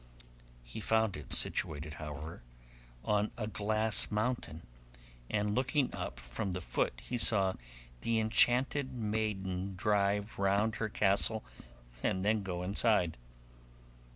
He found it situated, however, on a glass mountain, and looking up from the foot he saw the enchanted maiden drive round her castle and then go inside.